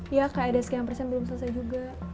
ya kayak ada sekian persen belum selesai juga